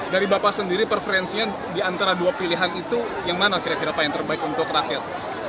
dari bapak sendiri preferensinya diantara dua pilihan itu yang mana kira kira pak yang terbaik untuk rakyat